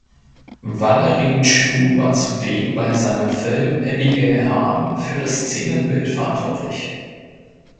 Valerie Chu war zudem bei seinem Film "Abigail Harm" für das Szenenbild verantwortlich.